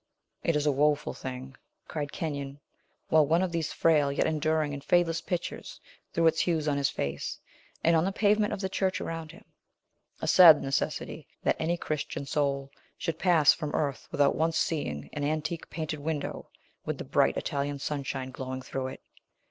"It is a woeful thing," cried Kenyon, while one of these frail yet enduring and fadeless pictures threw its hues on his face, and on the pavement of the church around him, "a sad necessity that any Christian soul should pass from earth without once seeing an antique painted window, with the bright Italian sunshine glowing through it!